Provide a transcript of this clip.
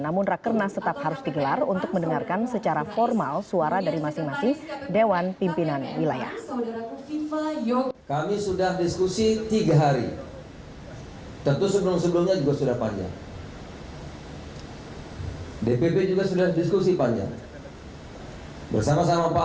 namun rakernas tetap harus digelar untuk mendengarkan secara formal suara dari masing masing dewan pimpinan wilayah